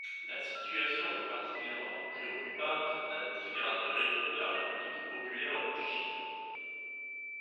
La situation est particulièrement préoccupante dans différentes régions de la République populaire de Chine.